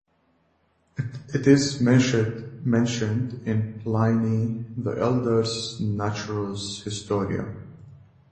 It is mentioned in Pliny the Elder's "Naturalis Historia".